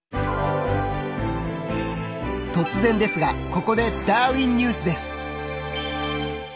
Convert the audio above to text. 突然ですがここで「ダーウィンＮＥＷＳ」です。